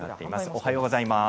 おはようございます。